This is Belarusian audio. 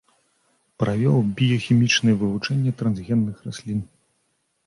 Правёў біяхімічнае вывучэнне трансгенных раслін.